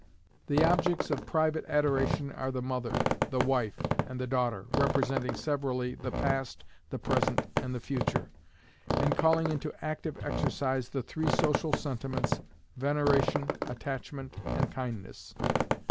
The objects of private adoration are the mother, the wife, and the daughter, representing severally the past, the present, and the future, and calling into active exercise the three social sentiments, veneration, attachment, and kindness.